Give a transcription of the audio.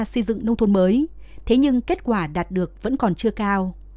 xây dựng nông thôn mới thế nhưng kết quả đạt được vẫn còn chưa cao